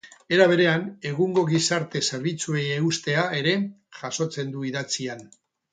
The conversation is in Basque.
Era berean, egungo gizarte zerbitzuei eustea ere jasotzen du idatzian.